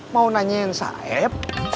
mau nanyain saeb